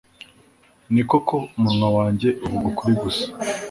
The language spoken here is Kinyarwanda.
ni koko, umunwa wanjye uvuga ukuri gusa